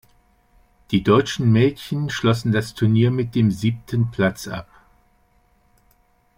Die deutschen Mädchen schlossen das Turnier mit dem siebten Platz ab.